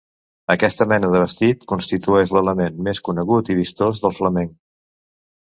Aquesta mena de vestit constitueix l'element més conegut i vistós del flamenc.